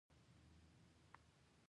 شيخ ئې څاري د پله نخښي